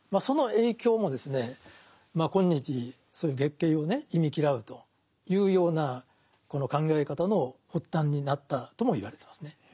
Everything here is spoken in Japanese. その影響もまあ今日そういう月経をね忌み嫌うというようなこの考え方の発端になったともいわれてますね。